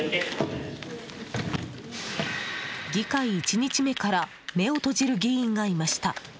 議会１日目から目を閉じる議員がいました。